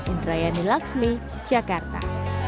indrayani laksmi jakarta